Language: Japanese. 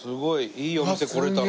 いいお店来られたな。